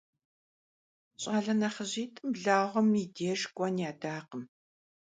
Ş'ale nexhıjit'ım blağuem yi dêjj k'uen yadakhım.